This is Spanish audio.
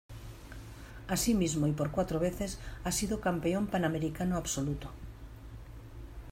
Asimismo y por cuatro veces ha sido Campeón Panamericano Absoluto.